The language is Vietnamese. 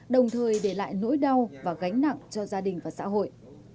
đồng thời để lại nỗi đau và gánh nặng cho gia đình và xã hội